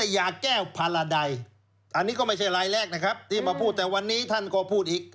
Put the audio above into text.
ยาแก้วพาราใดอันนี้ก็ไม่ใช่รายแรกนะครับที่มาพูดแต่วันนี้ท่านก็พูดอีก